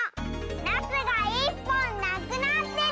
ナスが１ぽんなくなってる！